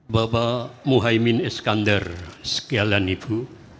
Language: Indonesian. bapak muhyiddin iskandar sekian ibu